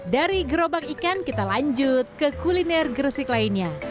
dari gerobak ikan kita lanjut ke kuliner gresik lainnya